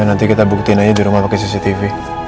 ya nanti kita buktiin aja di rumah pake cctv